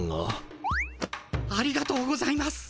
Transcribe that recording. ありがとうございます。